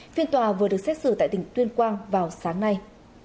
phiên tòa vừa được xét xử tại tỉnh tuyên quang vào sáng nay